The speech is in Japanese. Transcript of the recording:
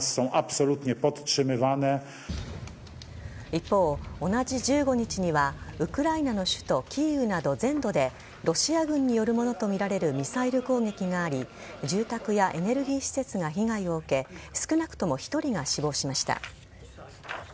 一方、同じ１５日にはウクライナの首都・キーウなど全土でロシア軍によるものとみられるミサイル攻撃があり住宅やエネルギー施設が被害を受け少なくとも１人が死亡しました。